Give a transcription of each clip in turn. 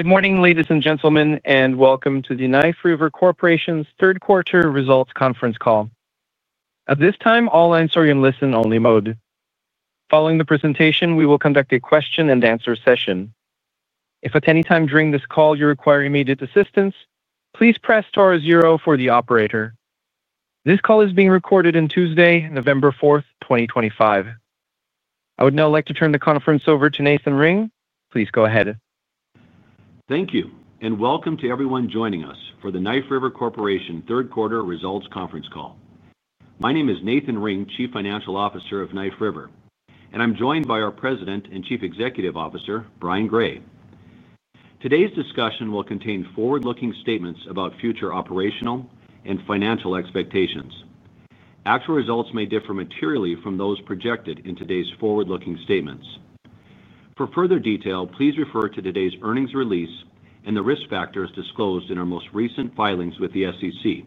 Good morning, ladies and gentlemen, and welcome to the Knife River Corporation's third quarter results conference call. At this time, all lines are in listen-only mode. Following the presentation, we will conduct a question-and-answer session. If at any time during this call you require immediate assistance, please press star zero for the operator. This call is being recorded on Tuesday, November 4th, 2025. I would now like to turn the conference over to Nathan Ring. Please go ahead. Thank you, and welcome to everyone joining us for the Knife River Corporation third quarter results conference call. My name is Nathan Ring, Chief Financial Officer of Knife River, and I'm joined by our President and Chief Executive Officer, Brian Gray. Today's discussion will contain forward-looking statements about future operational and financial expectations. Actual results may differ materially from those projected in today's forward-looking statements. For further detail, please refer to today's earnings release and the risk factors disclosed in our most recent filings with the SEC,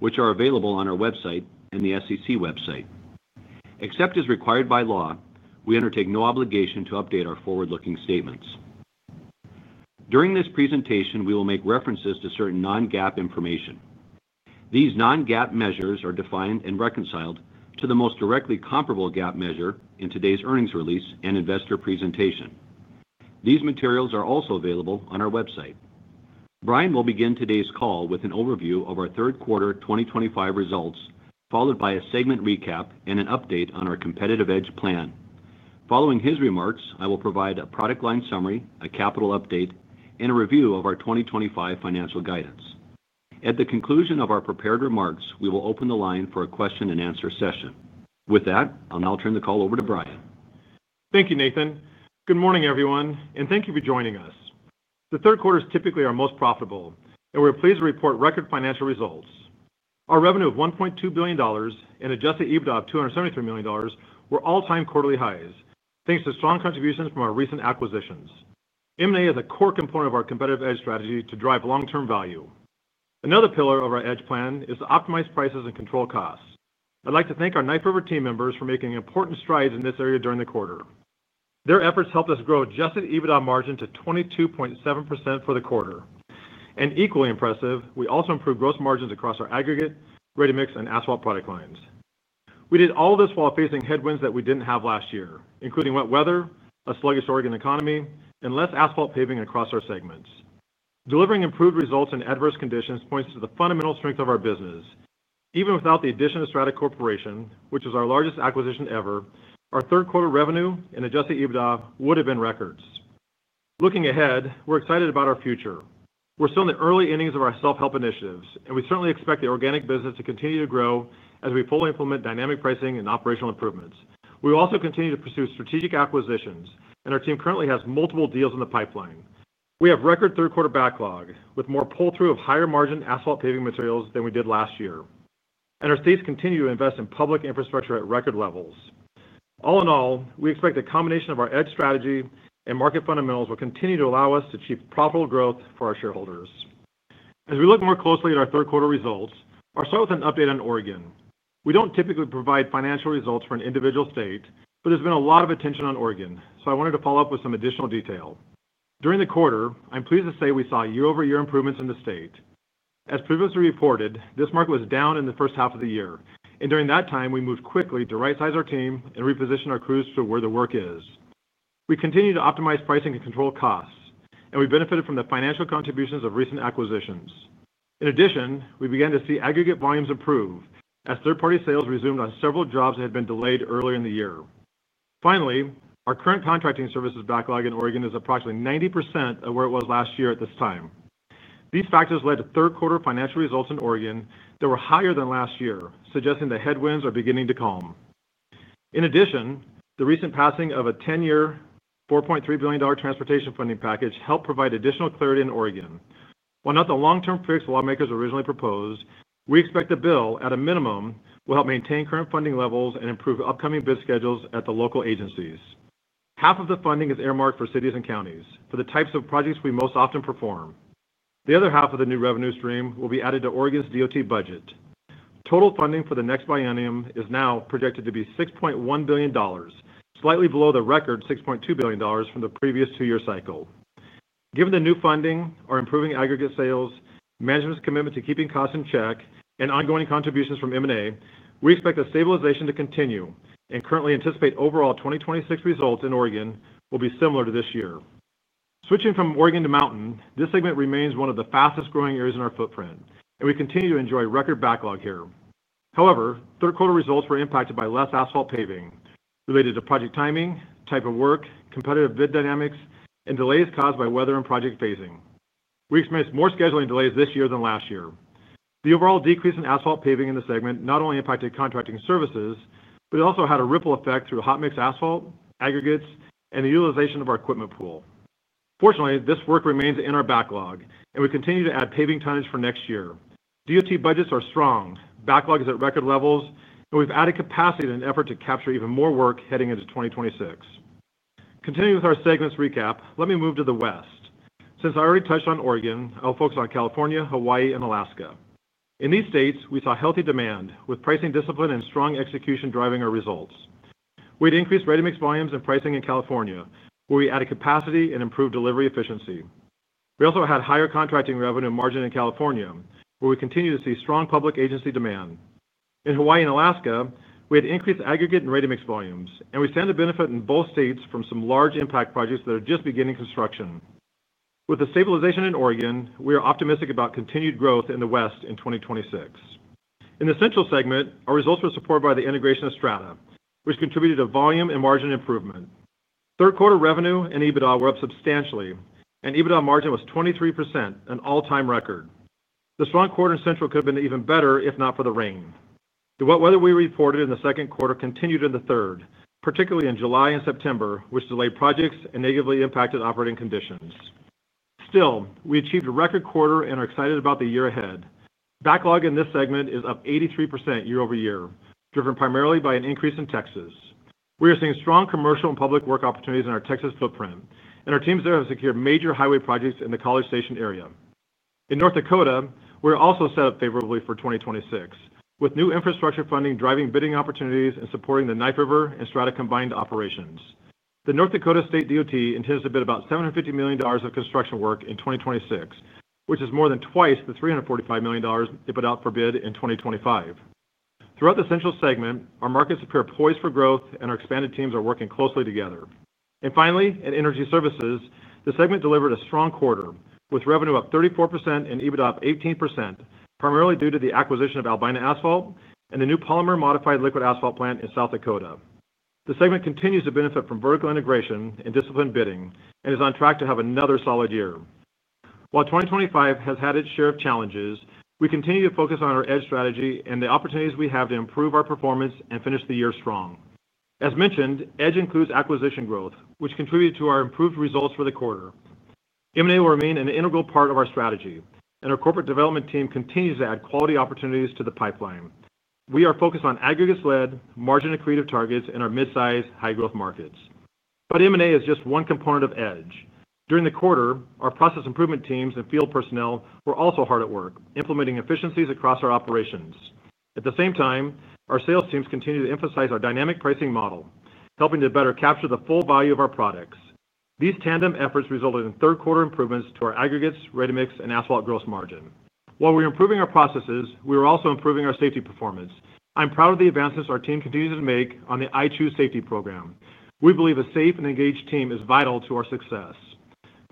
which are available on our website and the SEC website. Except as required by law, we undertake no obligation to update our forward-looking statements. During this presentation, we will make references to certain non-GAAP information. These non-GAAP measures are defined and reconciled to the most directly comparable GAAP measure in today's earnings release and investor presentation. These materials are also available on our website. Brian will begin today's call with an overview of our third quarter 2025 results, followed by a segment recap and an update on our Competitive Edge Plan. Following his remarks, I will provide a product line summary, a capital update, and a review of our 2025 financial guidance. At the conclusion of our prepared remarks, we will open the line for a question-and-answer session. With that, I'll now turn the call over to Brian. Thank you, Nathan. Good morning, everyone, and thank you for joining us. The third quarter is typically our most profitable, and we're pleased to report record financial results. Our revenue of $1.2 billion and adjusted EBITDA of $273 million were all-time quarterly highs, thanks to strong contributions from our recent acquisitions. M&A is a core component of our competitive edge strategy to drive long-term value. Another pillar of our Edge Plan is to optimize prices and control costs. I'd like to thank our Knife River team members for making important strides in this area during the quarter. Their efforts helped us grow Adjusted EBITDA Margin to 22.7% for the quarter. And equally impressive, we also improved gross margins across our aggregate, ready-mix, and asphalt product lines. We did all of this while facing headwinds that we didn't have last year, including wet weather, a sluggish Oregon economy, and less asphalt paving across our segments. Delivering improved results in adverse conditions points to the fundamental strength of our business. Even without the addition of Strata Corporation, which was our largest acquisition ever, our third quarter revenue and adjusted EBITDA would have been records. Looking ahead, we're excited about our future. We're still in the early innings of our self-help initiatives, and we certainly expect the organic business to continue to grow as we fully implement dynamic pricing and operational improvements. We will also continue to pursue strategic acquisitions, and our team currently has multiple deals in the pipeline. We have record third quarter backlog, with more pull-through of higher-margin asphalt paving materials than we did last year. And our states continue to invest in public infrastructure at record levels. All in all, we expect a combination of our edge strategy and market fundamentals will continue to allow us to achieve profitable growth for our shareholders. As we look more closely at our third quarter results, I'll start with an update on Oregon. We don't typically provide financial results for an individual state, but there's been a lot of attention on Oregon, so I wanted to follow up with some additional detail. During the quarter, I'm pleased to say we saw year-over-year improvements in the state. As previously reported, this market was down in the first half of the year, and during that time, we moved quickly to right-size our team and reposition our crews to where the work is. We continue to optimize pricing and control costs, and we benefited from the financial contributions of recent acquisitions. In addition, we began to see aggregate volumes improve as third-party sales resumed on several jobs that had been delayed earlier in the year. Finally, our current contracting services backlog in Oregon is approximately 90% of where it was last year at this time. These factors led to third quarter financial results in Oregon that were higher than last year, suggesting the headwinds are beginning to calm. In addition, the recent passing of a 10-year, $4.3 billion transportation funding package helped provide additional clarity in Oregon. While not the long-term fix lawmakers originally proposed, we expect the bill, at a minimum, will help maintain current funding levels and improve upcoming bid schedules at the local agencies. Half of the funding is earmarked for cities and counties, for the types of projects we most often perform. The other half of the new revenue stream will be added to Oregon's DOT budget. Total funding for the next biennium is now projected to be $6.1 billion, slightly below the record $6.2 billion from the previous two-year cycle. Given the new funding, our improving aggregate sales, management's commitment to keeping costs in check, and ongoing contributions from M&A, we expect the stabilization to continue, and currently anticipate overall 2026 results in Oregon will be similar to this year. Switching from Oregon to Mountain, this segment remains one of the fastest-growing areas in our footprint, and we continue to enjoy record backlog here. However, third quarter results were impacted by less asphalt paving, related to project timing, type of work, competitive bid dynamics, and delays caused by weather and project phasing. We experienced more scheduling delays this year than last year. The overall decrease in asphalt paving in the segment not only impacted contracting services, but it also had a ripple effect through hot-mix asphalt, aggregates, and the utilization of our equipment pool. Fortunately, this work remains in our backlog, and we continue to add paving tonnage for next year. DOT budgets are strong, backlog is at record levels, and we've added capacity in an effort to capture even more work heading into 2026. Continuing with our segments recap, let me move to the west. Since I already touched on Oregon, I'll focus on California, Hawaii, and Alaska. In these states, we saw healthy demand, with pricing discipline and strong execution driving our results. We had increased ready-mix volumes and pricing in California, where we added capacity and improved delivery efficiency. We also had higher contracting revenue margin in California, where we continue to see strong public agency demand. In Hawaii and Alaska, we had increased aggregate and ready-mix volumes, and we stand to benefit in both states from some large impact projects that are just beginning construction. With the stabilization in Oregon, we are optimistic about continued growth in the west in 2026. In the central segment, our results were supported by the integration of Strata, which contributed to volume and margin improvement. Third quarter revenue and EBITDA were up substantially, and EBITDA margin was 23%, an all-time record. The strong quarter in central could have been even better if not for the rain. The wet weather we reported in the second quarter continued in the third, particularly in July and September, which delayed projects and negatively impacted operating conditions. Still, we achieved a record quarter and are excited about the year ahead. Backlog in this segment is up 83% year-over-year, driven primarily by an increase in Texas. We are seeing strong commercial and public work opportunities in our Texas footprint, and our teams there have secured major highway projects in the College Station area. In North Dakota, we are also set up favorably for 2026, with new infrastructure funding driving bidding opportunities and supporting the Knife River and Strata combined operations. The North Dakota State DOT intends to bid about $750 million of construction work in 2026, which is more than twice the $345 million they put out for bid in 2025. Throughout the central segment, our markets appear poised for growth, and our expanded teams are working closely together, and finally, in energy services, the segment delivered a strong quarter, with revenue up 34% and EBITDA up 18%, primarily due to the acquisition of Albina Asphalt and the new polymer modified liquid asphalt plant in South Dakota. The segment continues to benefit from vertical integration and disciplined bidding and is on track to have another solid year. While 2025 has had its share of challenges, we continue to focus on our edge strategy and the opportunities we have to improve our performance and finish the year strong. As mentioned, edge includes acquisition growth, which contributed to our improved results for the quarter. M&A will remain an integral part of our strategy, and our corporate development team continues to add quality opportunities to the pipeline. We are focused on aggregate-led, margin-accretive targets in our mid-size, high-growth markets, but M&A is just one component of edge. During the quarter, our process improvement teams and field personnel were also hard at work, implementing efficiencies across our operations. At the same time, our sales teams continue to emphasize our Dynamic Pricing Model, helping to better capture the full value of our products. These tandem efforts resulted in third quarter improvements to our aggregates, ready-mix, and asphalt gross margin. While we're improving our processes, we are also improving our safety performance. I'm proud of the advances our team continues to make on the I Choose Safety Program. We believe a safe and engaged team is vital to our success.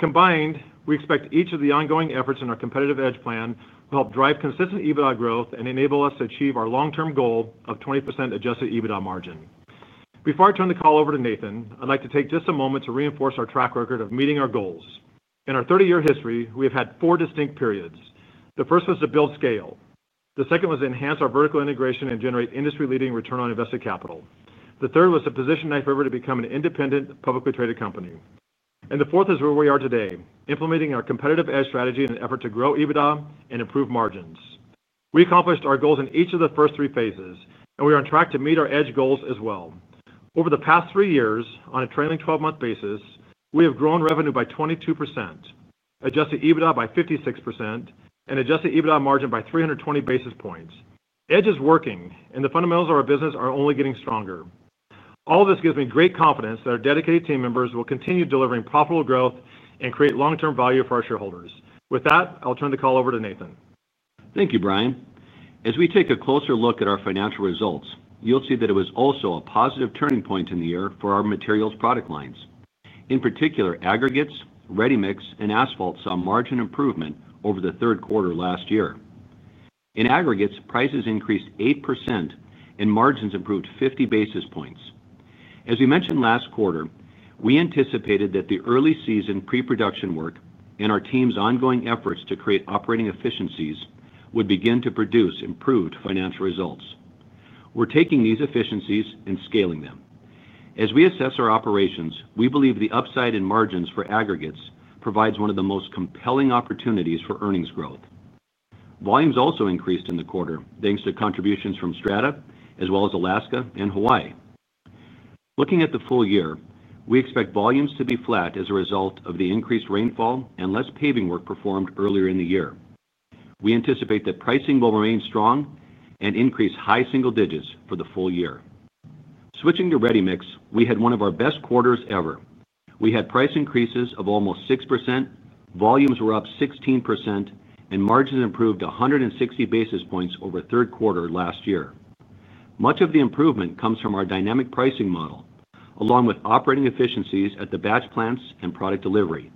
Combined, we expect each of the ongoing efforts in our Competitive Edge Plan will help drive consistent EBITDA growth and enable us to achieve our long-term goal of 20% Adjusted EBITDA Margin. Before I turn the call over to Nathan, I'd like to take just a moment to reinforce our track record of meeting our goals. In our 30-year history, we have had four distinct periods. The first was to build scale. The second was to enhance our vertical integration and generate industry-leading return on invested capital. The third was to position Knife River to become an independent, publicly traded company, and the fourth is where we are today, implementing our competitive edge strategy in an effort to grow EBITDA and improve margins. We accomplished our goals in each of the first three phases, and we are on track to meet our EDGE goals as well. Over the past three years, on a trailing 12-month basis, we have grown revenue by 22%, adjusted EBITDA by 56%, and Adjusted EBITDA Margin by 320 basis points. EDGE is working, and the fundamentals of our business are only getting stronger. All of this gives me great confidence that our dedicated team members will continue delivering profitable growth and create long-term value for our shareholders. With that, I'll turn the call over to Nathan. Thank you, Brian. As we take a closer look at our financial results, you'll see that it was also a positive turning point in the year for our materials product lines. In particular, aggregates, ready-mix, and asphalt saw margin improvement over the third quarter last year. In aggregates, prices increased 8%, and margins improved 50 basis points. As we mentioned last quarter, we anticipated that the early season pre-production work and our team's ongoing efforts to create operating efficiencies would begin to produce improved financial results. We're taking these efficiencies and scaling them. As we assess our operations, we believe the upside in margins for aggregates provides one of the most compelling opportunities for earnings growth. Volumes also increased in the quarter, thanks to contributions from Strata, as well as Alaska and Hawaii. Looking at the full year, we expect volumes to be flat as a result of the increased rainfall and less paving work performed earlier in the year. We anticipate that pricing will remain strong and increase high single digits for the full year. Switching to ready-mix, we had one of our best quarters ever. We had price increases of almost 6%, volumes were up 16%, and margins improved 160 basis points over third quarter last year. Much of the improvement comes from our Dynamic Pricing Model, along with operating efficiencies at the batch plants and product delivery.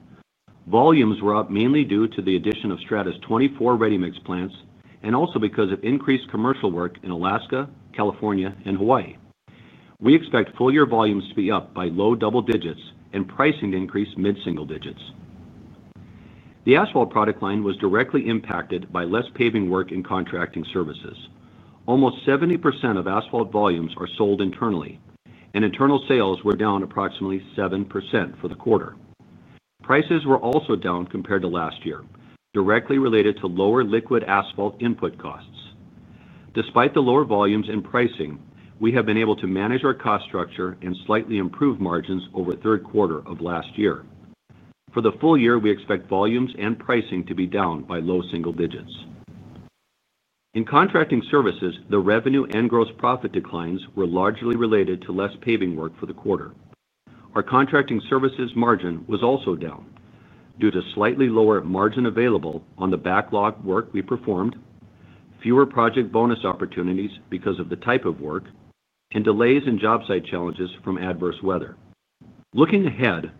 Volumes were up mainly due to the addition of Strata's 24 ready-mix plants and also because of increased commercial work in Alaska, California, and Hawaii. We expect full-year volumes to be up by low double digits and pricing to increase mid-single digits. The asphalt product line was directly impacted by less paving work and contracting services. Almost 70% of asphalt volumes are sold internally, and internal sales were down approximately 7% for the quarter. Prices were also down compared to last year, directly related to lower liquid asphalt input costs. Despite the lower volumes and pricing, we have been able to manage our cost structure and slightly improve margins over the third quarter of last year. For the full year, we expect volumes and pricing to be down by low single digits. In contracting services, the revenue and gross profit declines were largely related to less paving work for the quarter. Our Contracting Services Margin was also down due to slightly lower margin available on the backlog work we performed, fewer project bonus opportunities because of the type of work, and delays in job site challenges from adverse weather. Looking ahead,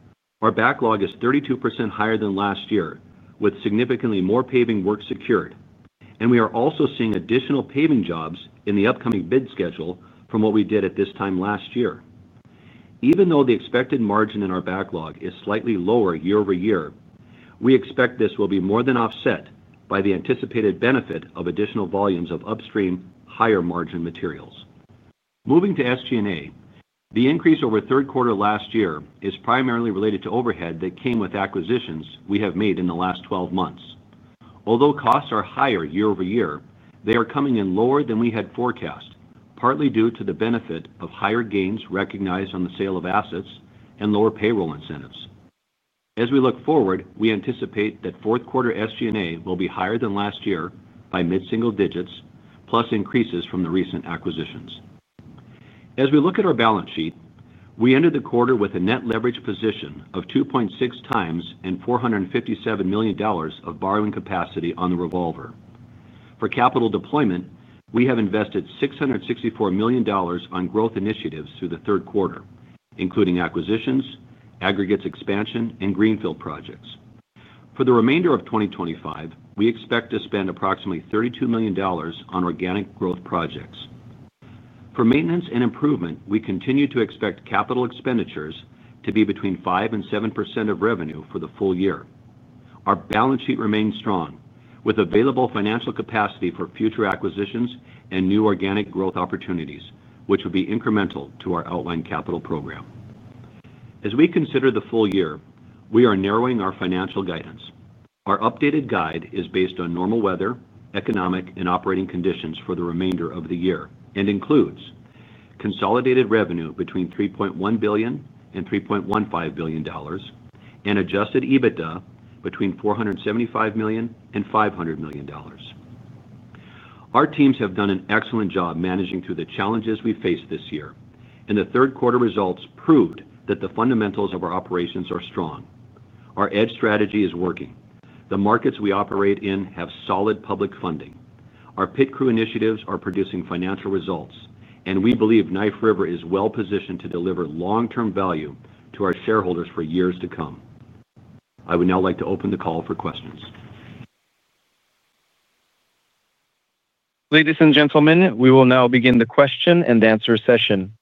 our backlog is 32% higher than last year, with significantly more paving work secured, and we are also seeing additional paving jobs in the upcoming bid schedule from what we did at this time last year. Even though the expected margin in our backlog is slightly lower year over year, we expect this will be more than offset by the anticipated benefit of additional volumes of upstream, higher margin materials. Moving to SG&A, the increase over third quarter last year is primarily related to overhead that came with acquisitions we have made in the last 12 months. Although costs are higher year over year, they are coming in lower than we had forecast, partly due to the benefit of higher gains recognized on the sale of assets and lower payroll incentives. As we look forward, we anticipate that fourth quarter SG&A will be higher than last year by mid-single digits, plus increases from the recent acquisitions. As we look at our balance sheet, we ended the quarter with a Net Leverage Position of 2.6x and $457 million of borrowing capacity on the revolver. For capital deployment, we have invested $664 million on growth initiatives through the third quarter, including acquisitions, aggregates expansion, and greenfield projects. For the remainder of 2025, we expect to spend approximately $32 million on organic growth projects. For maintenance and improvement, we continue to expect capital expenditures to be between 5% and 7% of revenue for the full year. Our balance sheet remains strong, with available financial capacity for future acquisitions and new organic growth opportunities, which will be incremental to our outline capital program. As we consider the full year, we are narrowing our financial guidance. Our updated guide is based on normal weather, economic, and operating conditions for the remainder of the year and includes consolidated revenue between $3.1 billion and $3.15 billion, and adjusted EBITDA between $475 million and $500 million. Our teams have done an excellent job managing through the challenges we faced this year, and the third quarter results proved that the fundamentals of our operations are strong. Our edge strategy is working. The markets we operate in have solid public funding. Our Pit Crew Initiatives are producing financial results, and we believe Knife River is well positioned to deliver long-term value to our shareholders for years to come. I would now like to open the call for questions. Ladies and gentlemen, we will now begin the question and answer session.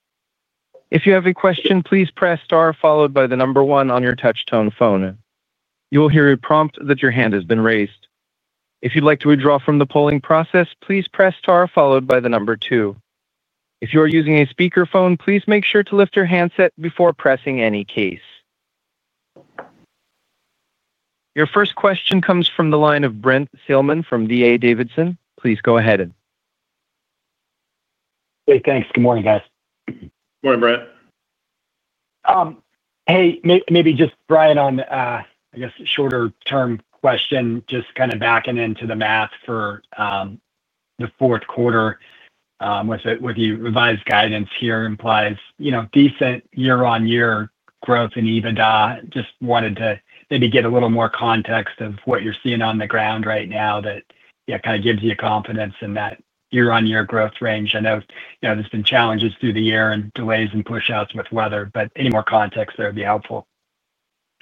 If you have a question, please press star followed by the number one on your touch-tone phone. You will hear a prompt that your hand has been raised. If you'd like to withdraw from the polling process, please press star followed by the number two. If you are using a speakerphone, please make sure to lift your handset before pressing any keys. Your first question comes from the line of Brent Thielman from D.A. Davidson. Please go ahead. Hey, thanks. Good morning, guys. Good morning, Brent. Hey, maybe just Brian on, I guess, shorter-term question, just kind of backing into the math for the fourth quarter. With the revised guidance here, it implies decent year-on-year growth in EBITDA. Just wanted to maybe get a little more context of what you're seeing on the ground right now that kind of gives you confidence in that year-on-year growth range. I know there's been challenges through the year and delays and push-outs with weather, but any more context there would be helpful.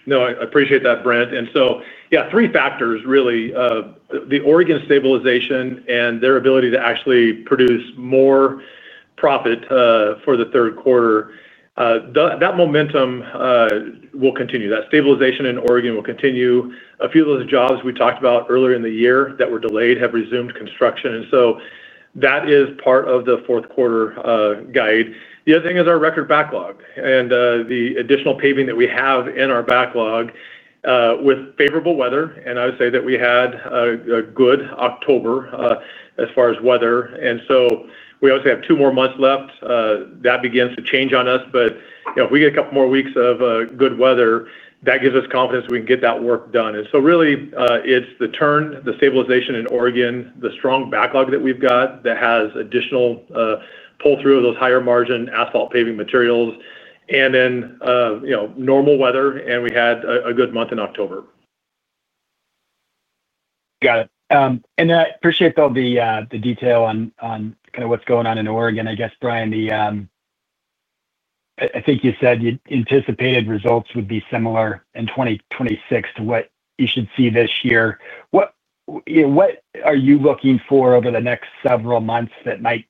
No, I appreciate that, Brent, and so, yeah, three factors, really. The Oregon stabilization and their ability to actually produce more profit for the third quarter. That momentum will continue. That stabilization in Oregon will continue. A few of those jobs we talked about earlier in the year that were delayed have resumed construction, and so that is part of the fourth quarter guide. The other thing is our record backlog and the additional paving that we have in our backlog with favorable weather, and I would say that we had a good October as far as weather, and so we obviously have two more months left. That begins to change on us, but if we get a couple more weeks of good weather, that gives us confidence we can get that work done, and so really, it's the turn, the stabilization in Oregon, the strong backlog that we've got that has additional pull-through of those higher-margin asphalt paving materials, and then normal weather, and we had a good month in October. Got it. And I appreciate all the detail on kind of what's going on in Oregon. I guess, Brian. I think you said you anticipated results would be similar in 2026 to what you should see this year. What are you looking for over the next several months that might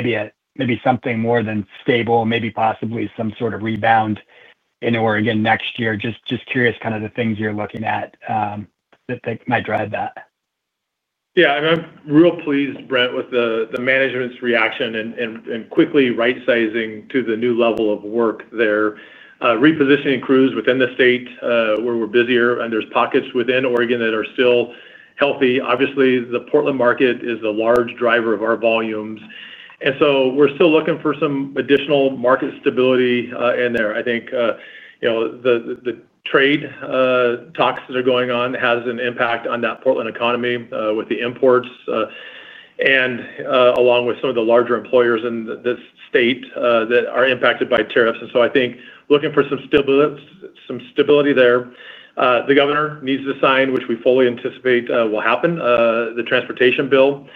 dictate maybe something more than stable, maybe possibly some sort of rebound in Oregon next year? Just curious kind of the things you're looking at. That might drive that. Yeah. I'm real pleased, Brent, with the management's reaction and quickly right-sizing to the new level of work there. Repositioning crews within the state where we're busier, and there's pockets within Oregon that are still healthy. Obviously, the Portland market is the large driver of our volumes. And so we're still looking for some additional market stability in there. I think the trade talks that are going on has an impact on that Portland economy with the imports. And along with some of the larger employers in this state that are impacted by tariffs. And so I think looking for some stability there. The governor needs to sign, which we fully anticipate will happen, the transportation bill.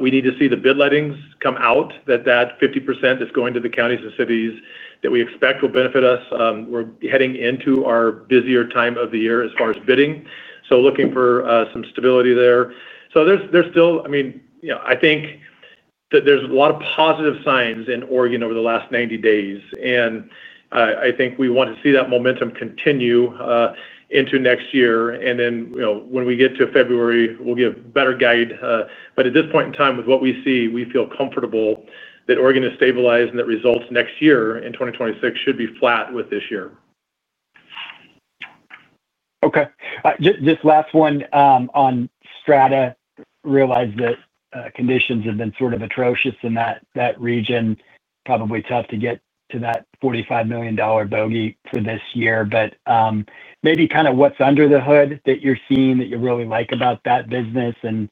We need to see the bid lettings come out, that 50% is going to the counties and cities that we expect will benefit us. We're heading into our busier time of the year as far as bidding. So looking for some stability there. So there's still, I mean, I think that there's a lot of positive signs in Oregon over the last 90 days. And I think we want to see that momentum continue into next year. And then when we get to February, we'll get a better guide. But at this point in time, with what we see, we feel comfortable that Oregon is stabilized and that results next year in 2026 should be flat with this year. Okay. Just last one on Strata. Realize that conditions have been sort of atrocious in that region. Probably tough to get to that $45 million bogey for this year. But maybe kind of what's under the hood that you're seeing that you really like about that business. And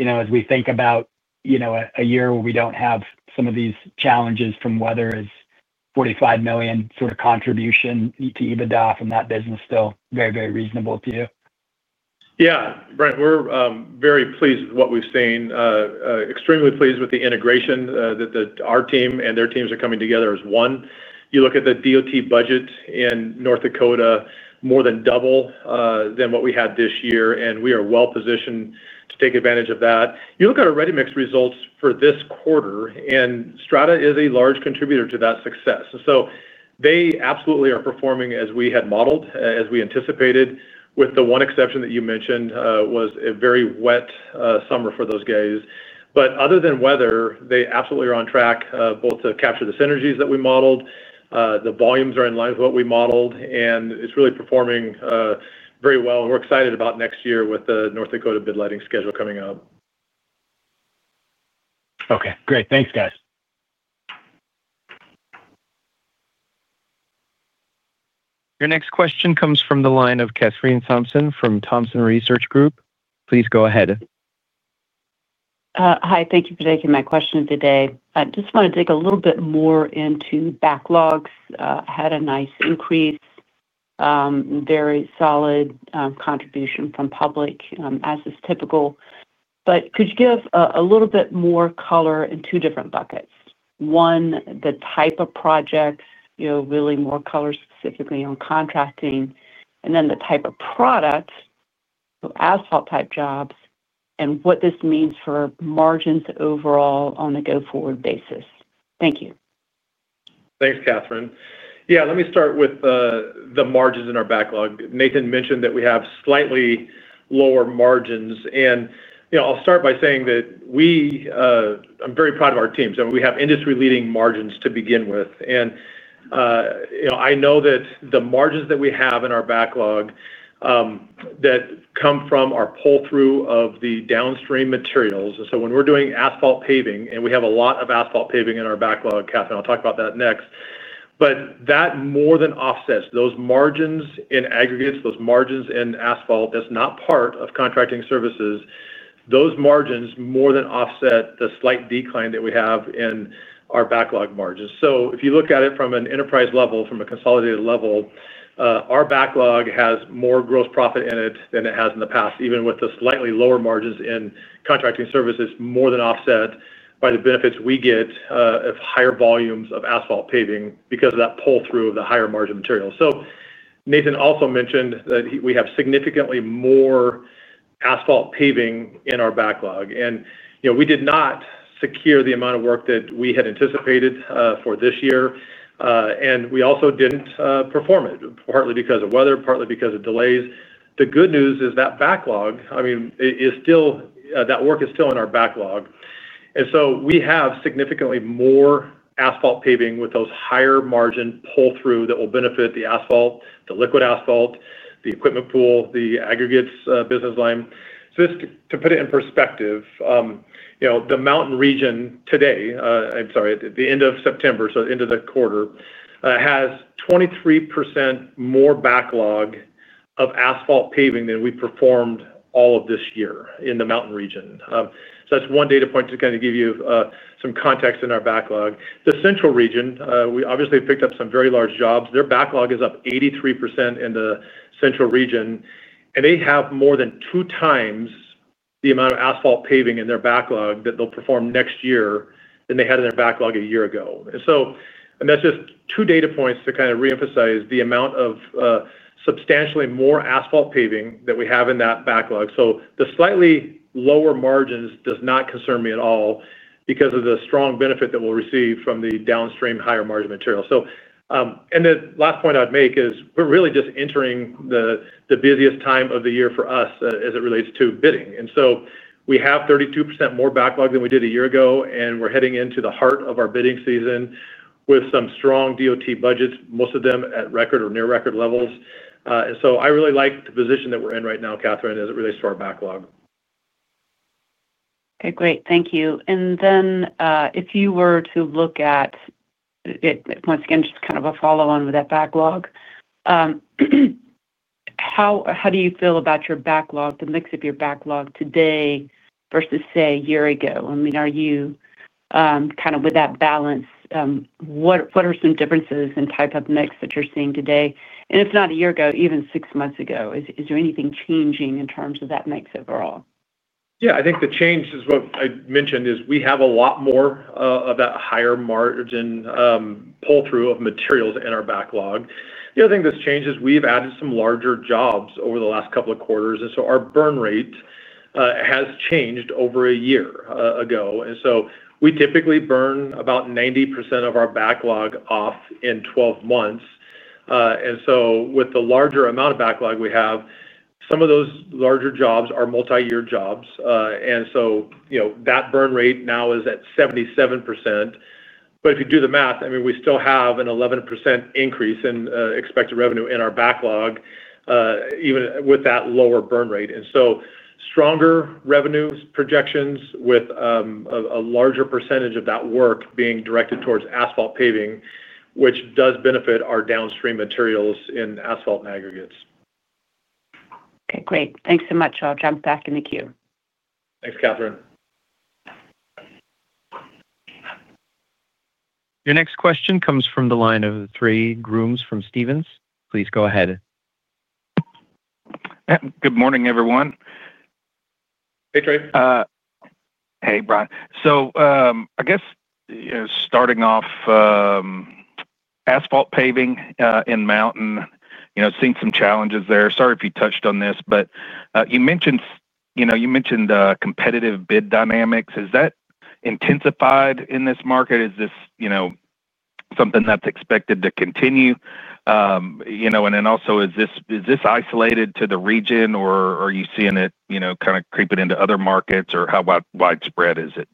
as we think about a year where we don't have some of these challenges from weather as $45 million sort of contribution to EBITDA from that business still very, very reasonable to you? Yeah. Brent, we're very pleased with what we've seen. Extremely pleased with the integration that our team and their teams are coming together as one. You look at the DOT budget in North Dakota, more than double than what we had this year, and we are well positioned to take advantage of that. You look at our ready-mix results for this quarter, and Strata is a large contributor to that success, and so they absolutely are performing as we had modeled, as we anticipated, with the one exception that you mentioned was a very wet summer for those guys, but other than weather, they absolutely are on track both to capture the synergies that we modeled. The volumes are in line with what we modeled, and it's really performing very well, and we're excited about next year with the North Dakota bid letting schedule coming up. Okay. Great. Thanks, guys. Your next question comes from the line of Kathryn Thompson from Thompson Research Group. Please go ahead. Hi. Thank you for taking my question today. I just want to dig a little bit more into backlogs. I had a nice increase. Very solid contribution from public, as is typical. But could you give a little bit more color in two different buckets? One, the type of projects, really more color specifically on contracting, and then the type of product. So asphalt-type jobs, and what this means for margins overall on a go-forward basis? Thank you. Thanks, Kathryn. Yeah, let me start with the margins in our backlog. Nathan mentioned that we have slightly lower margins, and I'll start by saying I'm very proud of our teams. We have industry-leading margins to begin with, and I know that the margins that we have in our backlog that come from our pull-through of the downstream materials. And so when we're doing asphalt paving, and we have a lot of asphalt paving in our backlog, Kathryn, I'll talk about that next, but that more than offsets those margins in aggregates, those margins in asphalt that's not part of contracting services. Those margins more than offset the slight decline that we have in our backlog margins, so if you look at it from an enterprise level, from a consolidated level, our backlog has more gross profit in it than it has in the past, even with the slightly lower margins in contracting services, more than offset by the benefits we get of higher volumes of asphalt paving because of that pull-through of the higher-margin materials. So Nathan also mentioned that we have significantly more asphalt paving in our backlog, and we did not secure the amount of work that we had anticipated for this year. And we also didn't perform it, partly because of weather, partly because of delays. The good news is that backlog, I mean, that work is still in our backlog, and so we have significantly more asphalt paving with those higher-margin pull-through that will benefit the asphalt, the liquid asphalt, the equipment pool, the aggregates business line. So just to put it in perspective, the mountain region today, I'm sorry, at the end of September, so the end of the quarter, has 23% more backlog of asphalt paving than we performed all of this year in the mountain region. That's one data point to kind of give you some context in our backlog. The central region, we obviously picked up some very large jobs. Their backlog is up 83% in the central region, and they have more than two times the amount of asphalt paving in their backlog that they'll perform next year than they had in their backlog a year ago. That's just two data points to kind of reemphasize the amount of substantially more asphalt paving that we have in that backlog. So the slightly lower margins does not concern me at all because of the strong benefit that we'll receive from the downstream higher-margin material, and the last point I'd make is we're really just entering the busiest time of the year for us as it relates to bidding. And so we have 32% more backlog than we did a year ago, and we're heading into the heart of our bidding season with some strong DOT budgets, most of them at record or near-record levels. And so I really like the position that we're in right now, Kathryn, as it relates to our backlog. Okay. Great. Thank you. And then if you were to look at, once again, just kind of a follow-on with that backlog. How do you feel about your backlog, the mix of your backlog today versus, say, a year ago? I mean, are you kind of with that balance. What are some differences in type of mix that you're seeing today? And if not a year ago, even six months ago, is there anything changing in terms of that mix overall? Yeah. I think the change is what I mentioned is we have a lot more of that higher-margin pull-through of materials in our backlog. The other thing that's changed is we've added some larger jobs over the last couple of quarters. Our burn rate has changed over a year ago. We typically burn about 90% of our backlog off in 12 months. With the larger amount of backlog we have, some of those larger jobs are multi-year jobs. That burn rate now is at 77%. If you do the math, I mean, we still have an 11% increase in expected revenue in our backlog. Even with that lower burn rate. Stronger revenue projections with a larger percentage of that work being directed towards asphalt paving, which does benefit our downstream materials in asphalt and aggregates. Okay. Great. Thanks so much. I'll jump back in the queue. Thanks, Kathryn. Your next question comes from the line of Trey Grooms from Stephens. Please go ahead. Good morning, everyone. Hey, Trey. Hey, Brian. So I guess starting off, asphalt paving in Mountain seeing some challenges there. Sorry if you touched on this, but you mentioned competitive bid dynamics. Has that intensified in this market? Is this something that's expected to continue? And then also, is this isolated to the region, or are you seeing it kind of creeping into other markets, or how widespread is it?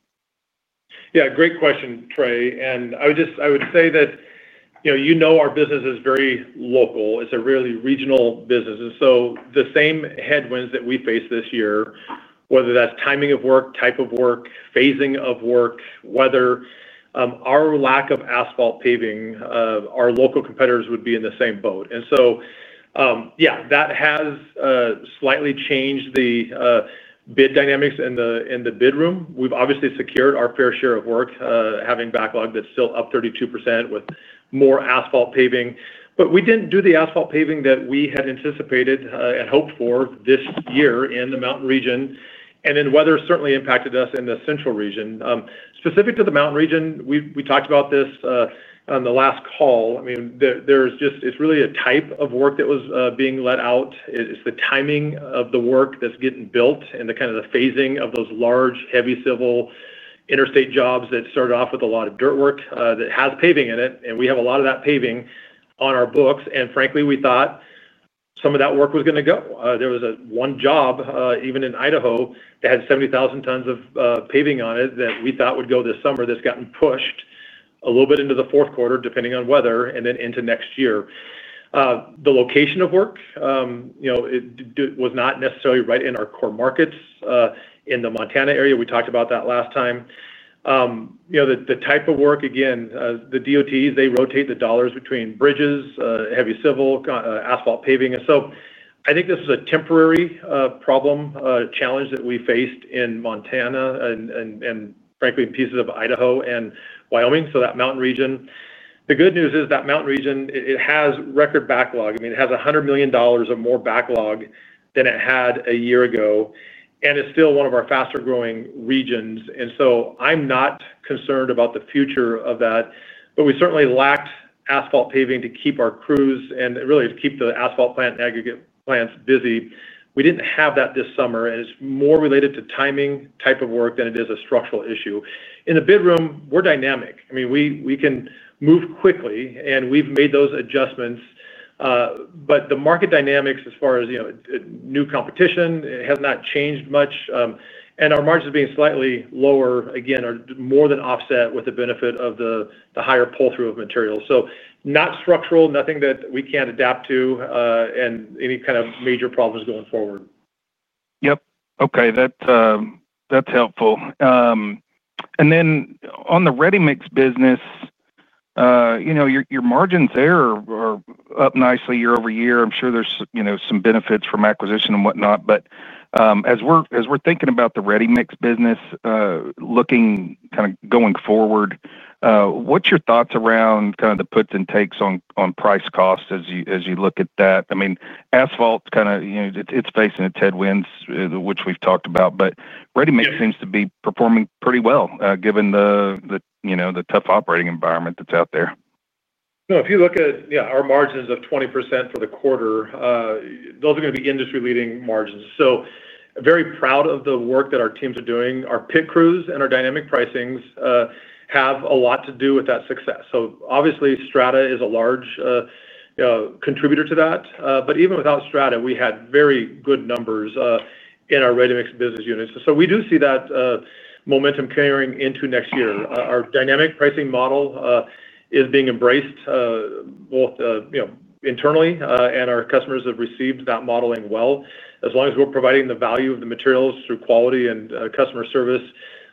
Yeah. Great question, Trey. And I would say that. You know our business is very local. It's a really regional business. And so the same headwinds that we face this year, whether that's timing of work, type of work, phasing of work, weather, our lack of asphalt paving, our local competitors would be in the same boat. And so, yeah, that has slightly changed the bid dynamics in the bid room. We've obviously secured our fair share of work, having backlog that's still up 32% with more asphalt paving. But we didn't do the asphalt paving that we had anticipated and hoped for this year in the Mountain region. And then weather certainly impacted us in the Central region. Specific to the Mountain region, we talked about this on the last call. I mean, it's really a type of work that was being let out. It's the timing of the work that's getting built and kind of the phasing of those large, heavy civil interstate jobs that started off with a lot of dirt work that has paving in it. And we have a lot of that paving on our books. And frankly, we thought. Some of that work was going to go. There was one job, even in Idaho, that had 70,000 tons of paving on it that we thought would go this summer that's gotten pushed a little bit into the fourth quarter, depending on weather, and then into next year. The location of work. Was not necessarily right in our core markets in the Montana area. We talked about that last time. The type of work, again, the DOTs, they rotate the dollars between bridges, heavy civil, asphalt paving. So I think this is a temporary problem, challenge that we faced in Montana and, frankly, in pieces of Idaho and Wyoming, so that Mountain region. The good news is that Mountain region, it has record backlog. I mean, it has $100 million of more backlog than it had a year ago and is still one of our faster-growing regions. And so I'm not concerned about the future of that. But we certainly lacked asphalt paving to keep our crews and really to keep the asphalt plant and aggregate plants busy. We didn't have that this summer. And it's more related to timing, type of work than it is a structural issue. In the bid room, we're dynamic. I mean, we can move quickly, and we've made those adjustments. But the market dynamics, as far as. New competition, it has not changed much. And our margins being slightly lower, again, are more than offset with the benefit of the higher pull-through of materials. So not structural, nothing that we can't adapt to. And any kind of major problems going forward. Yep. Okay. That's helpful. And then on the ready-mix business. Your margins there are up nicely year over year. I'm sure there's some benefits from acquisition and whatnot. But as we're thinking about the ready-mix business. Looking kind of going forward. What's your thoughts around kind of the puts and takes on price cost as you look at that? I mean, asphalt kind of, it's facing its headwinds, which we've talked about. But ready-mix seems to be performing pretty well given the tough operating environment that's out there. No, if you look at, yeah, our margins of 20% for the quarter. Those are going to be industry-leading margins. So very proud of the work that our teams are doing. Our pit crews and our dynamic pricings have a lot to do with that success. So obviously, Strata is a large contributor to that. But even without Strata, we had very good numbers in our ready-mix business units. So we do see that momentum carrying into next year. Our Dynamic Pricing Model is being embraced both internally, and our customers have received that modeling well. As long as we're providing the value of the materials through quality and customer service,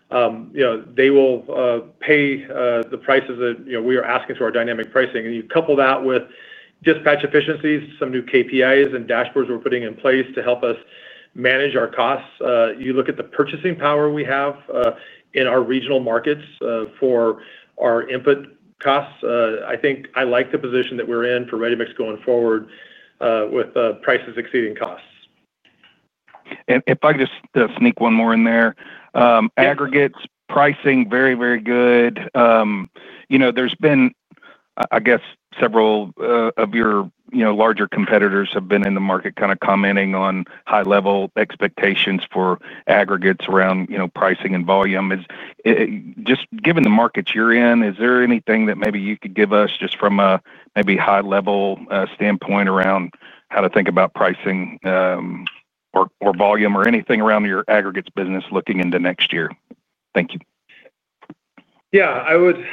they will pay the prices that we are asking for our dynamic pricing. And you couple that with dispatch efficiencies, some new KPIs and dashboards we're putting in place to help us manage our costs. You look at the purchasing power we have in our regional markets for our input costs. I think I like the position that we're in for ready-mix going forward, with prices exceeding costs. If I could just sneak one more in there. Aggregates pricing, very, very good. There's been, I guess, several of your larger competitors have been in the market kind of commenting on high-level expectations for aggregates around pricing and volume. Just given the markets you're in, is there anything that maybe you could give us just from a maybe high-level standpoint around how to think about pricing? Or volume or anything around your aggregates business looking into next year? Thank you. Yeah. I would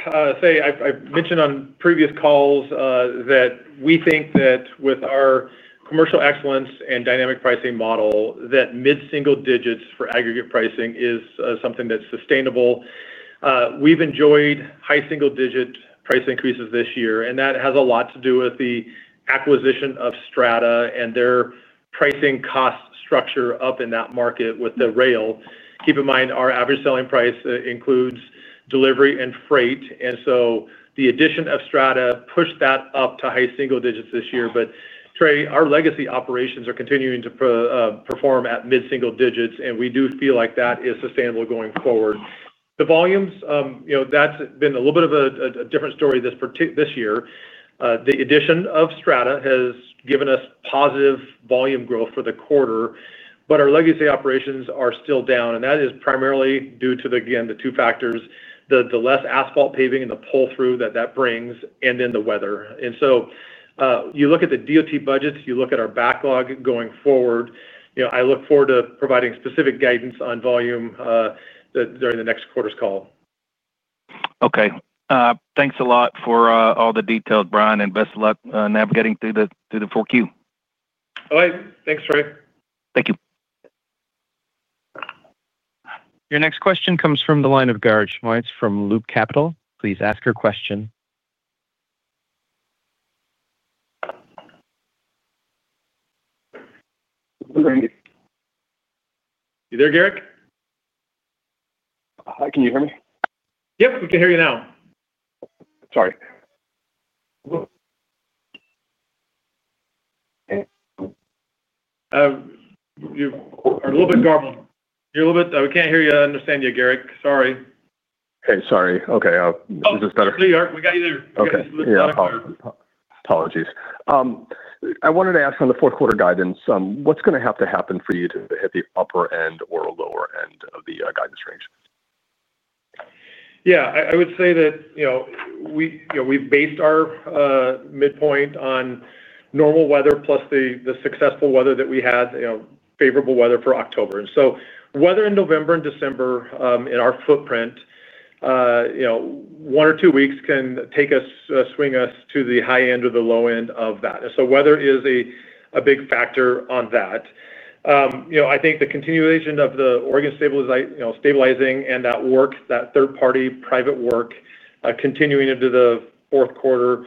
say I've mentioned on previous calls that we think that with our commercial excellence and Dynamic Pricing Model, that mid-single digits for aggregate pricing is something that's sustainable. We've enjoyed high single-digit price increases this year. And that has a lot to do with the acquisition of Strata and their pricing cost structure up in that market with the rail. Keep in mind, our average selling price includes delivery and freight. And so the addition of Strata pushed that up to high single digits this year. But, Trey, our legacy operations are continuing to perform at mid-single digits. And we do feel like that is sustainable going forward. The volumes, that's been a little bit of a different story this year. The addition of Strata has given us positive volume growth for the quarter. But our legacy operations are still down. And that is primarily due to, again, the two factors, the less asphalt paving and the pull-through that that brings, and then the weather. And so you look at the DOT budgets, you look at our backlog going forward. I look forward to providing specific guidance on volume during the next quarter's call. Okay. Thanks a lot for all the details, Brian, and best of luck navigating through the fourth quarter. All right. Thanks, Trey. Thank you. Your next question comes from the line of Garik Shmois from Loop Capital. Please ask your question. You there, Garik? Hi. Can you hear me? Yep. We can hear you now. Sorry. You're a little bit garbled. We can't hear you or understand you, Garik. Sorry. Hey, sorry. Okay. Is this better? We got you there. Apologies. I wanted to ask on the fourth quarter guidance, what's going to have to happen for you to hit the upper end or lower end of the guidance range? Yeah. I would say that. We've based our midpoint on normal weather plus the successful weather that we had, favorable weather for October. And so weather in November and December in our footprint. One or two weeks can take us, swing us to the high end or the low end of that. And so weather is a big factor on that. I think the continuation of the Oregon stabilizing and that work, that third-party private work continuing into the fourth quarter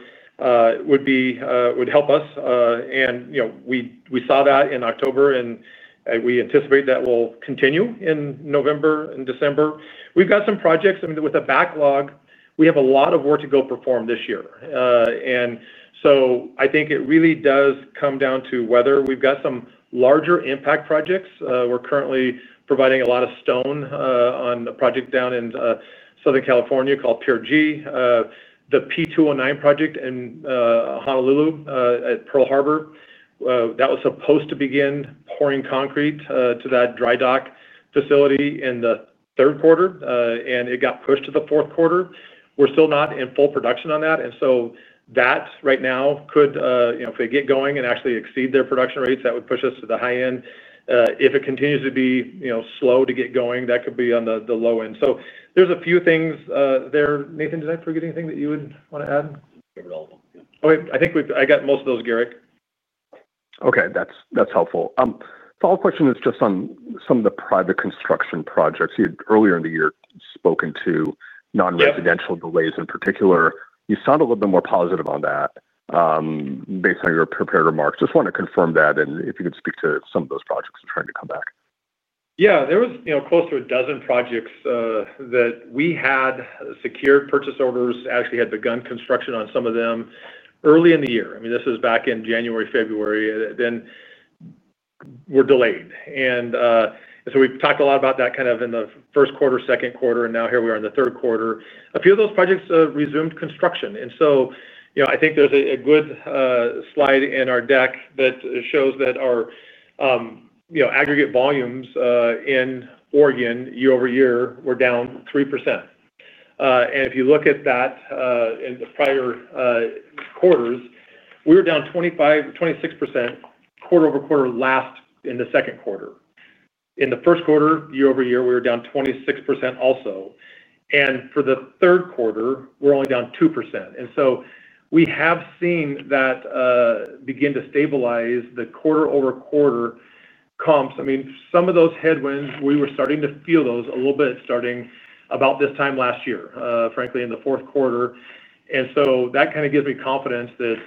would help us. And we saw that in October, and we anticipate that will continue in November and December. We've got some projects. I mean, with the backlog, we have a lot of work to go perform this year. And so I think it really does come down to weather. We've got some larger impact projects. We're currently providing a lot of stone on a project down in Southern California called Pier G. The P209 project in Honolulu at Pearl Harbor. That was supposed to begin pouring concrete to that dry dock facility in the third quarter, and it got pushed to the fourth quarter. We're still not in full production on that. And so that right now could, if they get going and actually exceed their production rates, that would push us to the high end. If it continues to be slow to get going, that could be on the low end. So there's a few things there. Nathan, did I forget anything that you would want to add? Give it all to them. Okay. I think I got most of those, Garik. Okay. That's helpful. Follow-up question is just on some of the private construction projects. You had earlier in the year spoken to non-residential delays in particular. You sound a little bit more positive on that. Based on your prepared remarks, just wanted to confirm that and if you could speak to some of those projects that are trying to come back. Yeah. There was close to a dozen projects that we had secured purchase orders, actually had begun construction on some of them early in the year. I mean, this was back in January, February. Then. We're delayed. And so we've talked a lot about that kind of in the first quarter, second quarter, and now here we are in the third quarter. A few of those projects resumed construction. And so I think there's a good slide in our deck that shows that our aggregate volumes in Oregon year over year were down 3%. And if you look at that in the prior quarters, we were down 26% quarter over quarter last in the second quarter. In the first quarter, year over year, we were down 26% also. And for the third quarter, we're only down 2%. And so we have seen that begin to stabilize the quarter over quarter comps. I mean, some of those headwinds, we were starting to feel those a little bit starting about this time last year, frankly, in the fourth quarter. And so that kind of gives me confidence that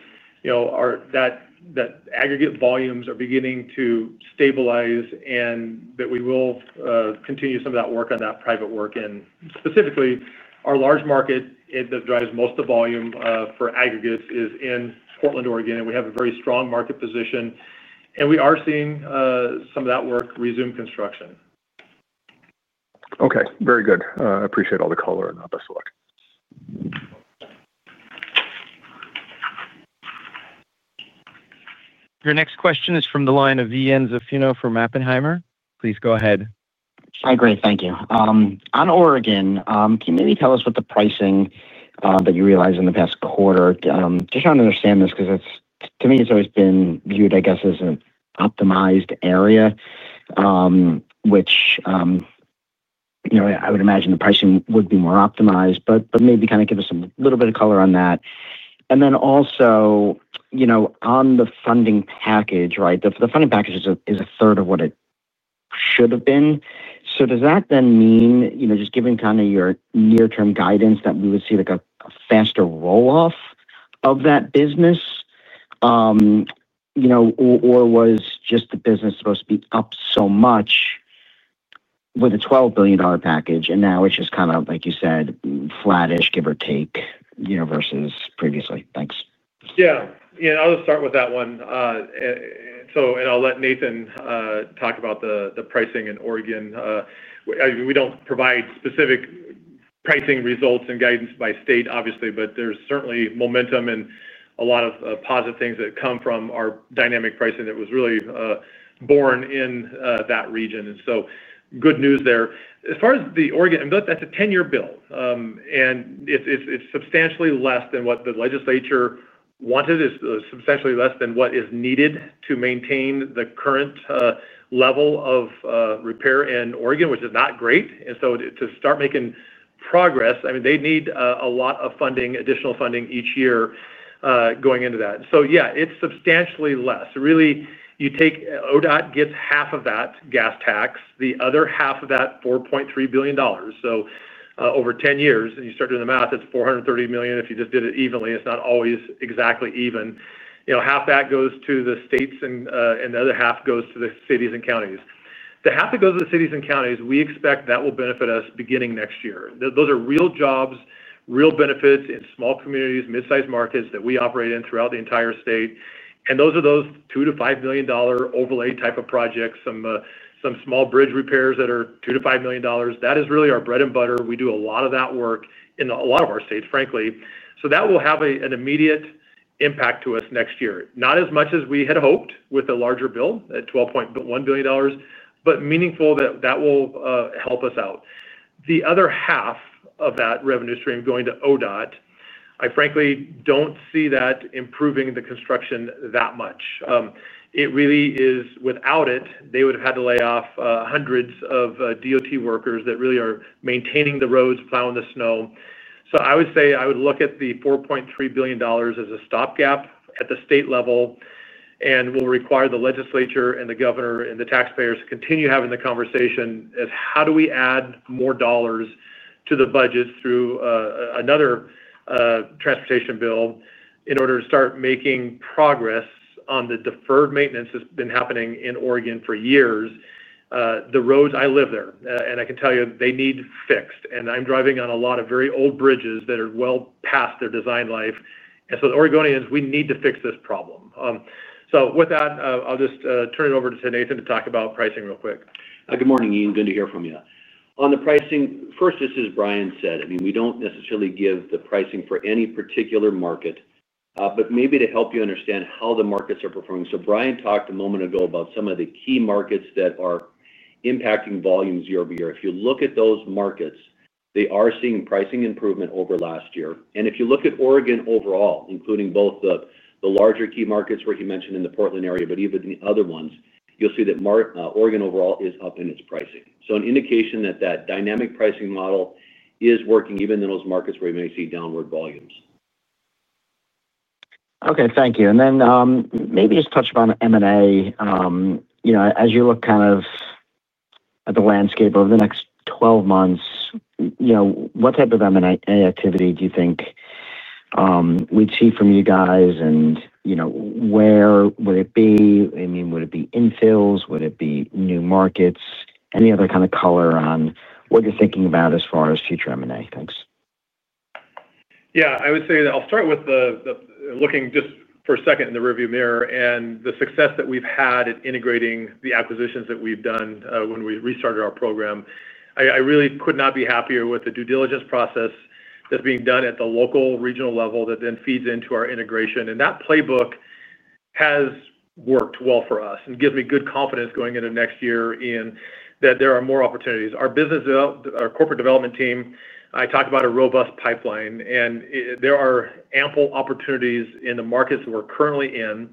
that aggregate volumes are beginning to stabilize and that we will continue some of that work on that private work. And specifically, our large market that drives most of the volume for aggregates is in Portland, Oregon, and we have a very strong market position. And we are seeing some of that work resume construction. Okay. Very good. Appreciate all the color and all the best of luck. Your next question is from the line of Ian Zaffino from Oppenheimer. Please go ahead. Hi, Gray. Thank you. On Oregon, can you maybe tell us what the pricing that you realized in the past quarter? Just trying to understand this because to me, it's always been viewed, I guess, as an optimized area, which. I would imagine the pricing would be more optimized. But maybe kind of give us a little bit of color on that. And then also. On the funding package, right? The funding package is a third of what it should have been. So does that then mean, just given kind of your near-term guidance, that we would see a faster roll-off of that business. Or was just the business supposed to be up so much. With a $12 billion package, and now it's just kind of, like you said, flattish, give or take versus previously? Thanks. Yeah. And I'll just start with that one. And I'll let Nathan talk about the pricing in Oregon. We don't provide specific pricing results and guidance by state, obviously, but there's certainly momentum and a lot of positive things that come from our dynamic pricing that was really born in that region. And so good news there. As far as the Oregon, that's a 10-year bill. And it's substantially less than what the legislature wanted, is substantially less than what is needed to maintain the current level of repair in Oregon, which is not great. And so to start making progress, I mean, they need a lot of funding, additional funding each year going into that. So yeah, it's substantially less. Really, you take ODOT gets half of that gas tax, the other half of that $4.3 billion. So over 10 years, and you start doing the math, it's $430 million. If you just did it evenly, it's not always exactly even. Half that goes to the states and the other half goes to the cities and counties. The half that goes to the cities and counties, we expect that will benefit us beginning next year. Those are real jobs, real benefits in small communities, mid-sized markets that we operate in throughout the entire state. And those are those $2-$5 million overlay type of projects, some small bridge repairs that are $2 million-$5 million. That is really our bread and butter. We do a lot of that work in a lot of our states, frankly. So that will have an immediate impact to us next year. Not as much as we had hoped with a larger bill at $12.1 billion, but meaningful that that will help us out. The other half of that revenue stream going to ODOT, I frankly don't see that improving the construction that much. It really is, without it, they would have had to lay off hundreds of DOT workers that really are maintaining the roads, plowing the snow. So I would say I would look at the $4.3 billion as a stopgap at the state level and will require the legislature and the governor and the taxpayers to continue having the conversation as how do we add more dollars to the budget through another transportation bill in order to start making progress on the deferred maintenance that's been happening in Oregon for years. The roads, I live there. And I can tell you they need fixed. And I'm driving on a lot of very old bridges that are well past their design life. And so the Oregonians, we need to fix this problem. So with that, I'll just turn it over to Nathan to talk about pricing real quick. Good morning, Ian. Good to hear from you. On the pricing, first, as Brian said. I mean, we don't necessarily give the pricing for any particular market, but maybe to help you understand how the markets are performing. So Brian talked a moment ago about some of the key markets that are impacting volumes year over year. If you look at those markets, they are seeing pricing improvement over last year, and if you look at Oregon overall, including both the larger key markets where he mentioned in the Portland area, but even the other ones, you'll see that Oregon overall is up in its pricing, so an indication that that Dynamic Pricing Model is working even in those markets where you may see downward volumes. Okay. Thank you. And then maybe just touch on M&A. As you look kind of at the landscape over the next 12 months, what type of M&A activity do you think we'd see from you guys and where would it be? I mean, would it be infills? Would it be new markets? Any other kind of color on what you're thinking about as far as future M&A? Thanks. Yeah. I would say that I'll start with looking just for a second in the rearview mirror and the success that we've had at integrating the acquisitions that we've done when we restarted our program. I really could not be happier with the due diligence process that's being done at the local regional level that then feeds into our integration and that playbook has worked well for us and gives me good confidence going into next year in that there are more opportunities. Our corporate development team, I talked about a robust pipeline, and there are ample opportunities in the markets that we're currently in.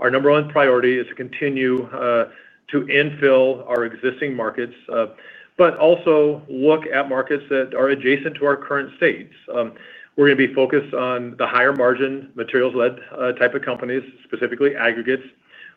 Our number one priority is to continue to infill our existing markets, but also look at markets that are adjacent to our current states. We're going to be focused on the higher margin materials-led type of companies, specifically aggregates.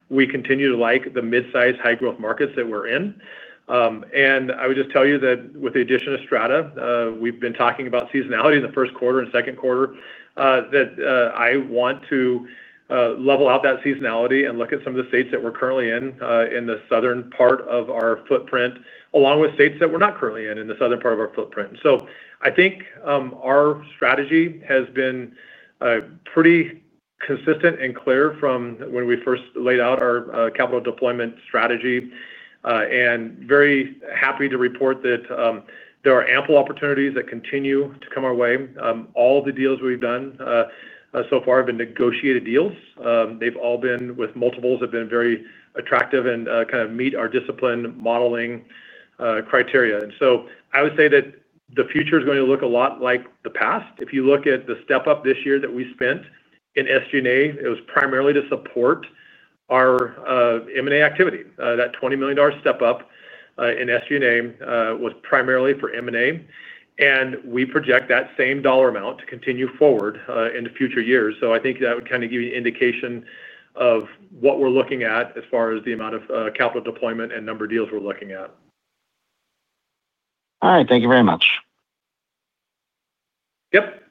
We continue to like the mid-size high-growth markets that we're in. I would just tell you that with the addition of Strata, we've been talking about seasonality in the first quarter and second quarter that I want to level out that seasonality and look at some of the states that we're currently in in the southern part of our footprint, along with states that we're not currently in in the southern part of our footprint. So I think our strategy has been pretty consistent and clear from when we first laid out our capital deployment strategy and very happy to report that there are ample opportunities that continue to come our way. All of the deals we've done so far have been negotiated deals. They've all been with multiples have been very attractive and kind of meet our discipline modeling criteria. So I would say that the future is going to look a lot like the past. If you look at the step-up this year that we spent in SG&A, it was primarily to support our M&A activity. That $20 million step-up in SG&A was primarily for M&A. We project that same dollar amount to continue forward into future years. I think that would kind of give you an indication of what we're looking at as far as the amount of capital deployment and number of deals we're looking at. All right. Thank you very much. Yep.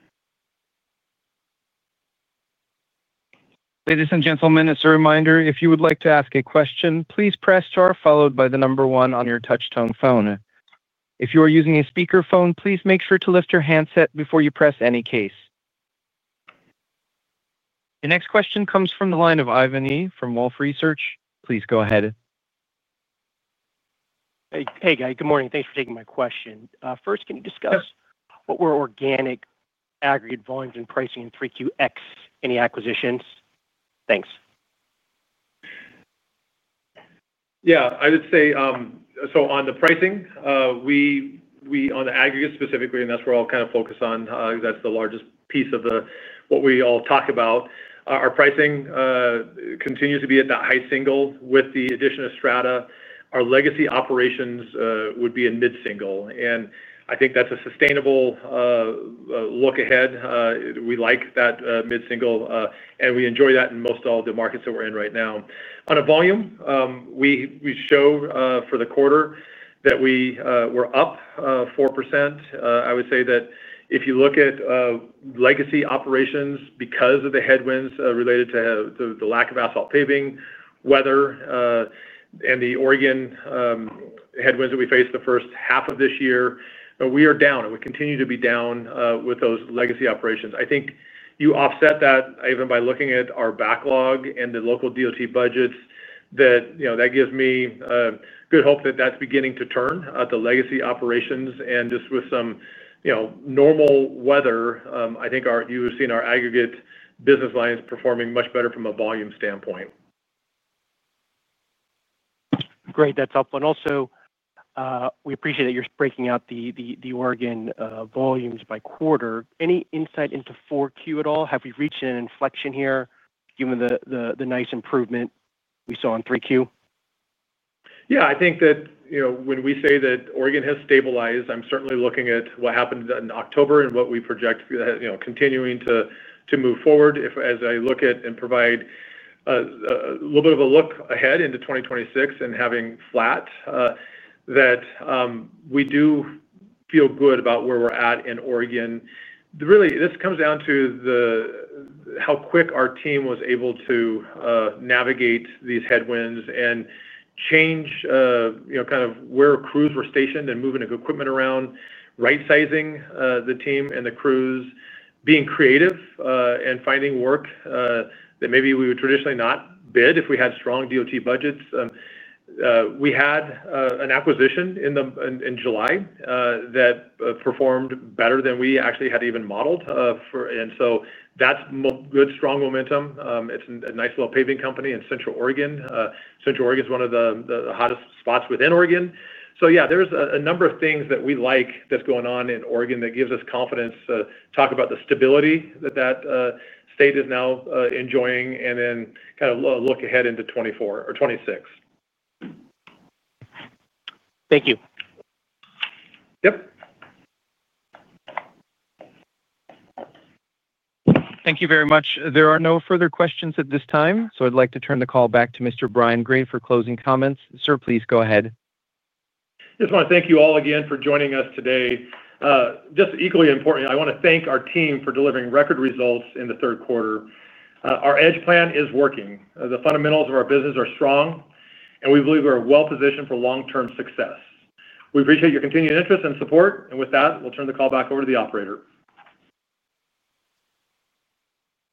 Ladies and gentlemen, it's a reminder. If you would like to ask a question, please press star followed by the number one on your touch-tone phone. If you are using a speakerphone, please make sure to lift your handset before you press any keys. The next question comes from the line of Ivan Yi from Wolfe Research. Please go ahead. Hey, guys. Good morning. Thanks for taking my question. First, can you discuss what were organic aggregate volumes and pricing in Q3? Any acquisitions? Thanks. Yeah. I would say so on the pricing. On the aggregate specifically, and that's where I'll kind of focus on because that's the largest piece of what we all talk about. Our pricing continues to be at that high single. With the addition of Strata, our legacy operations would be a mid-single, and I think that's a sustainable look ahead. We like that mid-single, and we enjoy that in most of all the markets that we're in right now. On a volume, we show for the quarter that we were up 4%. I would say that if you look at legacy operations because of the headwinds related to the lack of asphalt paving, weather, and the Oregon headwinds that we faced the first half of this year, we are down, and we continue to be down with those legacy operations. I think you offset that even by looking at our backlog and the local DOT budgets, and that gives me good hope that that's beginning to turn at the legacy operations. Just with some normal weather, I think you've seen our aggregate business lines performing much better from a volume standpoint. Great. That's helpful. And also, we appreciate that you're breaking out the Oregon volumes by quarter. Any insight into 4Q at all? Have we reached an inflection here given the nice improvement we saw in 3Q? Yeah. I think that when we say that Oregon has stabilized, I'm certainly looking at what happened in October and what we project continuing to move forward. As I look at and provide a little bit of a look ahead into 2026 and having flat we do feel good about where we're at in Oregon. Really, this comes down to how quick our team was able to navigate these headwinds and change kind of where crews were stationed and moving equipment around, right-sizing the team and the crews, being creative and finding work that maybe we would traditionally not bid if we had strong DOT budgets. We had an acquisition in July that performed better than we actually had even modeled. And so that's good, strong momentum. It's a nice little paving company in Central Oregon. Central Oregon is one of the hottest spots within Oregon. So yeah, there's a number of things that we like that's going on in Oregon that gives us confidence to talk about the stability that that state is now enjoying and then kind of look ahead into 2024 or 2026. Thank you. Yep. Thank you very much. There are no further questions at this time. So I'd like to turn the call back to Mr. Brian Gray for closing comments. Sir, please go ahead. Just want to thank you all again for joining us today. Just equally important, I want to thank our team for delivering record results in the third quarter. Our Edge Plan is working. The fundamentals of our business are strong, and we believe we are well positioned for long-term success. We appreciate your continued interest and support. And with that, we'll turn the call back over to the operator.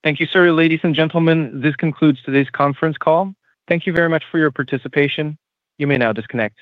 Thank you, sir. Ladies and gentlemen, this concludes today's conference call. Thank you very much for your participation. You may now disconnect.